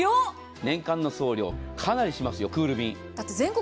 年間の送料かなりしますよ、クール便。